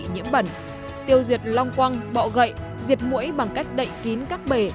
nhiễm bẩn tiêu diệt long quăng bọ gậy diệt mũi bằng cách đậy kín các bể